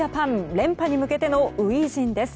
連覇に向けての初陣です。